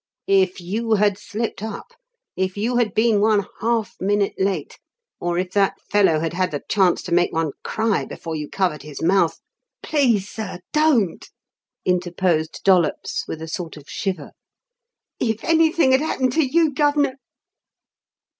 "If you had slipped up if you had been one half minute late or if that fellow had had a chance to make one cry before you covered his mouth " "Please, sir don't!" interposed Dollops, with a sort of shiver. "If anythink had've happened to you, Gov'nor